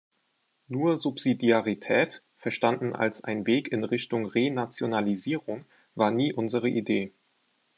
Nur Subsidiarität, verstanden als ein Weg in Richtung Renationalisierung, war nie unsere Idee.